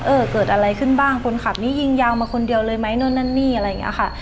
เออเกิดอะไรขึ้นบ้างคนขับนี้ยิงยาวมาคนเดียวเลยไหมนู่นนั่นนี่อะไรอย่างนี้ค่ะ